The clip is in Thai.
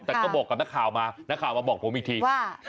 แต่ก็บอกกับนักข่าวมานักข่าวมาบอกผมอีกที